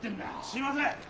すみません。